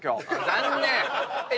残念！